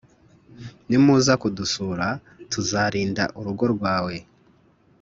nimuza kudusura, tuzarinda urugo rwawe.